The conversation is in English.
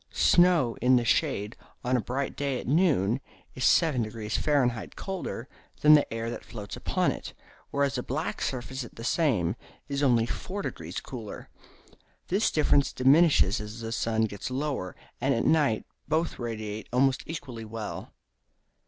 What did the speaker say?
Snow in the shade on a bright day at noon is 7° Fahr. colder than the air that floats upon it, whereas a black surface at the same is only 4° colder. This difference diminishes as the sun gets lower; and at night both radiate almost equally well.